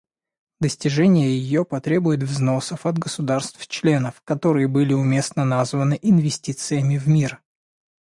Достижение ее потребует взносов от государств-членов, которые были уместно названы инвестициями в мир.